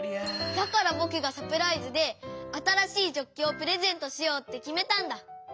だからぼくがサプライズであたらしいジョッキをプレゼントしようってきめたんだ！